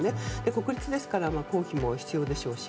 国立ですから公費も必要でしょうし。